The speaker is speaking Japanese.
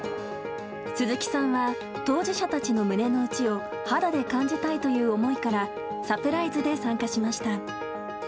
鈴木さんは当事者たちの胸の内を肌で感じたいという思いからサプライズで参加しました。